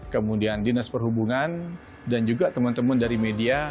kemudian dinas perhubungan dan juga teman teman dari media